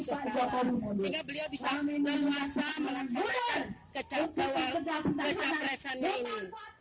sehingga beliau bisa meluasa melaksanakan kecapresan ini